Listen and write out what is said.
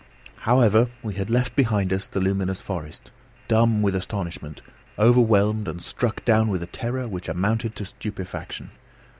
However, we had left behind us the luminous forest, dumb with astonishment, overwhelmed and struck down with a terror which amounted to stupefaction.